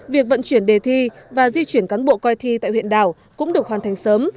việc vận chuyển đề thi và di chuyển cán bộ coi thi tại huyện đảo cũng được hoàn thành sớm